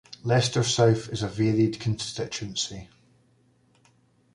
Leicester South is a varied constituency.